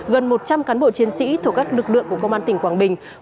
gần một trăm linh cán bộ chiến sĩ thuộc các lực lượng của công an tỉnh quảng bình